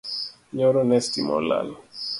Nyoro ne stima olal